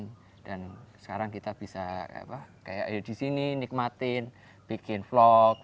sekarang kita bisa kayak ayo di sini nikmatin bikin vlog